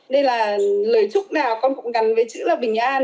đây là lời chúc nào con cũng gắn với chữ là bình an